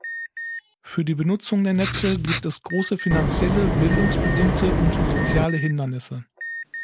Für die Benutzung der Netze gibt es große finanzielle, bildungsbedingte und soziale Hindernisse.